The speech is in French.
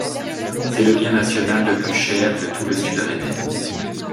C’est le bien national le plus cher de tout le sud-rennais.